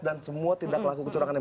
dan semua tindak laku kecurangannya